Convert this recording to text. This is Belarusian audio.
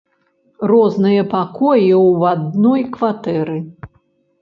Розныя пакоі ў адной кватэры.